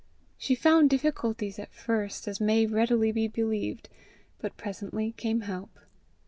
She found difficulties at first, as may readily be believed. But presently came help.